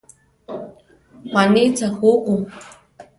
Juanitza juku?